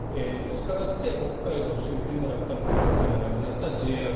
したがって、北海道周辺の落下の可能性がなくなった。